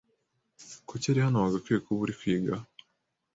Kuki ari hano wagwakwiye kuba uri kwiga?